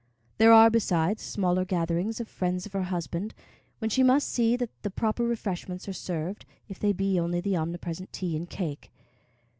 There are, besides, smaller gatherings of friends of her husband, when she must see that the proper refreshments are served, if they be only the omnipresent tea and cake.